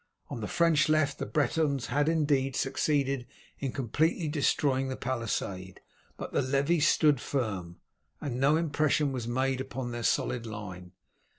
On the French left the Bretons had, indeed, succeeded in completely destroying the palisade, but the levies stood firm, and no impression was made upon their solid line.